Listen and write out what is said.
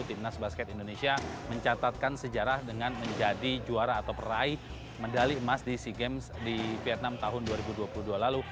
timnas basket indonesia mencatatkan sejarah dengan menjadi juara atau peraih medali emas di sea games di vietnam tahun dua ribu dua puluh dua lalu